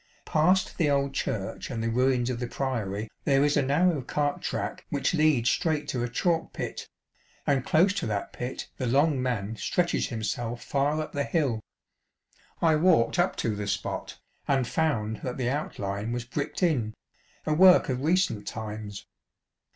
Past the old church and the ruins of the Priory there is a narrow cart track which leads straight to a chalk pit, and close to that pit the Long Man stretches himself far up the hill. I walked up to the spot, and found that the outline was bricked in, a work of recent times.